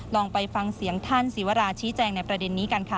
ลองไปฟังเสียงท่านศิวราชี้แจงในประเด็นนี้กันค่ะ